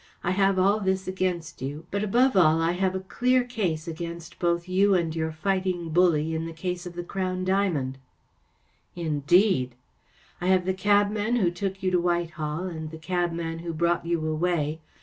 I have all this against you ; but, above all, I have a clear case against both you and your fighting bully in the case of the Crown diamond.‚ÄĚ 44 Indeed ! ‚ÄĚ 44 I have the cabman who took you to Whitehall and the cabman who brought you away.